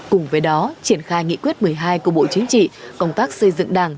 cùng với đó triển khai nghị quyết một mươi hai của bộ chính trị công tác xây dựng đảng